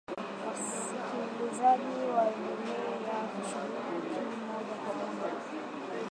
Wasikilizaji waendelea kushiriki moja kwa moja